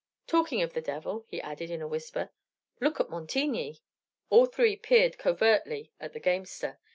Talking of the devil," he added, in a whisper, "look at Montigny!" All three peered covertly at the gamester.